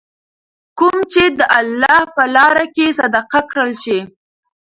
کوم چې د الله په لاره کي صدقه کړل شي .